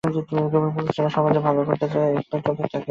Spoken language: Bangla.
কেবল পুরুষ নিয়ে যারা সমাজের ভালো করতে চায় তারা এক পায়ে চলতে চায়।